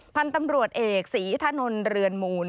พันธุ์ตำรวจเอกศรีถนนเรือนมูล